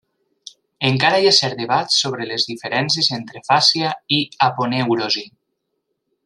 Encara hi ha cert debat sobre les diferències entre fàscia i aponeurosi.